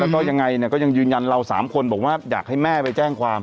แล้วก็ยังไงเนี่ยก็ยังยืนยันเรา๓คนบอกว่าอยากให้แม่ไปแจ้งความ